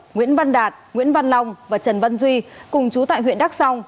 nguyễn văn đạt nguyễn văn long và trần văn duy cùng chú tại huyện đắk song